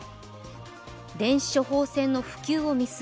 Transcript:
電子処方箋の普及を見据え